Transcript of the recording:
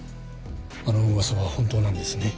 あの噂は本当なんですね